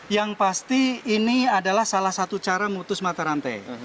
yang pasti ini adalah salah satu cara memutus mata rantai